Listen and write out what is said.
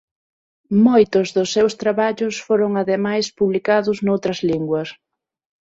Moitos dos seus traballos foron ademais publicados noutras linguas.